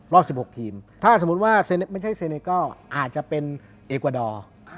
รอบ๑๖ทีมถ้าสมมุติว่าไม่ใช่เซเนกอร์อาจจะเป็นเอกวาดอร์